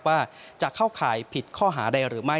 ว่าจะเข้าข่ายผิดข้อหาใดหรือไม่